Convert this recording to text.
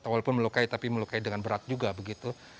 walaupun melukai tapi melukai dengan berat juga begitu